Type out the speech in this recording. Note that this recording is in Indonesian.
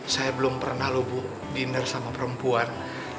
saya belum pernah lho bu diner sama perempuan